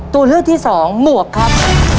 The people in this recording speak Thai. ตัวเลือกที่สองหมวกครับ